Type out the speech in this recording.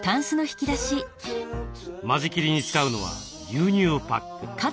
間仕切りに使うのは牛乳パック。